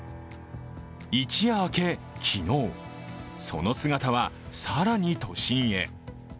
一夜明け、昨日、その姿は更に都心へ。